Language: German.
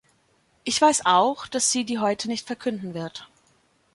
Ich weiß auch, dass sie die heute nicht verkünden wird.